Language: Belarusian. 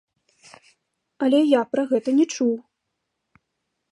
Але я пра гэта не чуў.